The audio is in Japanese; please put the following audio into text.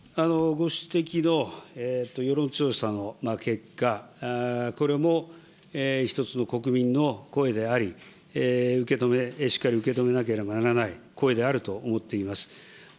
ご指摘の世論調査の結果、これも一つの国民の声であり、受け止め、しっかり受け止めなければならない声であると思っています。